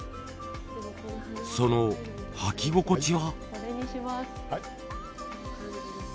その履き心地は？